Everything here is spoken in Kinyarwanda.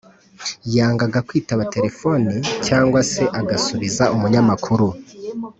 yangaga kwitaba terefoni cyangwa se agasubiza umunyamakuru